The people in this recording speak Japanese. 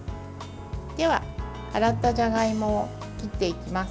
では、洗ったじゃがいもを切っていきます。